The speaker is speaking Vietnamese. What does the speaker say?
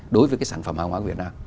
đối với cái sản phẩm hàng hóa của việt nam